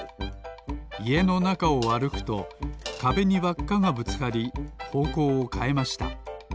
いえのなかをあるくとかべにわっかがぶつかりほうこうをかえました。